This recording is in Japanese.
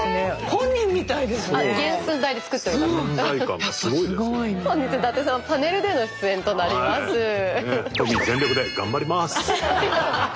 本日伊達さんパネルでの出演となります。